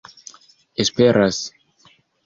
esperas